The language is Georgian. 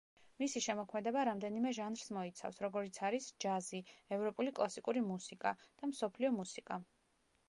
მისი შემოქმედება რამდენიმე ჟანრს მოიცავს, როგორიც არის ჯაზი, ევროპული კლასიკური მუსიკა და მსოფლიო მუსიკა.